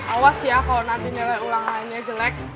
awas ya kalau nanti nilai ulangannya jelek